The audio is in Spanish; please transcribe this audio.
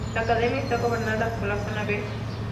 La academia está gobernada por la 'Zona B'.